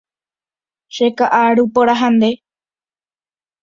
Cheka'aru porã ha nde.